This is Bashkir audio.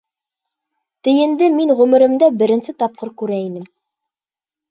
Тейенде мин ғүмеремдә беренсе тапҡыр күрә инем.